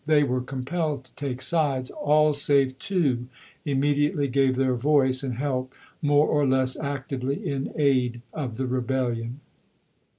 they were compelled to take sides, all save two immediately gave their voice and help more or less actively in aid of the rebellion.